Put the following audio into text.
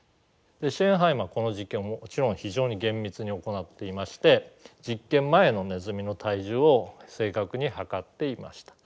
シェーンハイマーはこの実験をもちろん非常に厳密に行っていまして実験前のネズミの体重を正確に量っていました。